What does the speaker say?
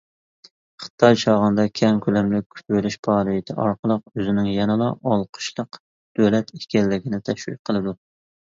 خىتاي چاغاندا كەڭ كۆلەملىك كۈتۈۋېلىش پائالىيىتى ئارقىلىق ئۆزىنىڭ يەنىلا ئالقىشلىق دۆلەت ئىكەنلىكىنى تەشۋىق قىلىدۇ.